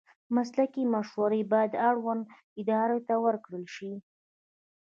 مسلکي مشورې باید اړوندو ادارو ته ورکړل شي.